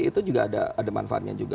itu juga ada manfaatnya juga